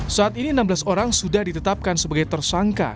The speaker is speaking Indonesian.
saat ini enam belas orang sudah ditetapkan sebagai tersangka